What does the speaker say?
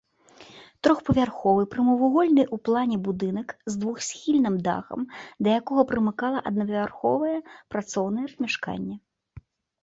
Трохпавярховы прамавугольны ў плане будынак з двухсхільным дахам, да якога прымыкала аднапавярховае працоўнае памяшканне.